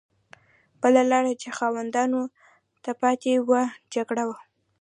بله لار چې خاوندانو ته پاتې وه جګړه وه.